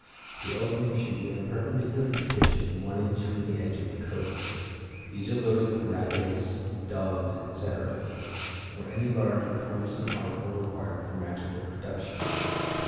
The opening should be in a perpendicular position 1 in. from the edge of the coat. These are loaded with rabbits, doves, etc., or any large or cumbersome article required for magical production.